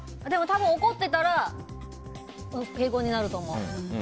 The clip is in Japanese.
怒ってたら敬語になると思う。